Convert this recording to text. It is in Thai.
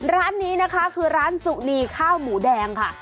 ร้านนี้นะคะคือร้านสุนีข้าวหมูแดงค่ะ